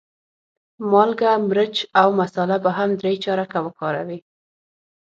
مالګه، مرچ او مساله به هم درې چارکه وکاروې.